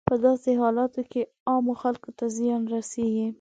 په داسې حالاتو کې عامو خلکو ته زیان رسیږي.